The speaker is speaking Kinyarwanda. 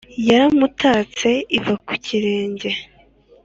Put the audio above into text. Yaramutatse iva ku kirenge